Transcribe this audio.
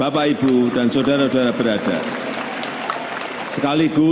atas kontribusi dan kemampuan dan kemampuan yang berharga